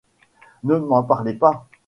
Ne m’en parlez pas !